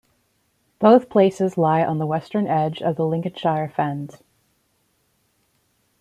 Both places lie on the western edge of the Lincolnshire fens.